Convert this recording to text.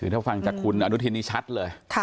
ถ้าฟังจากคุณอนุทินชัดเลย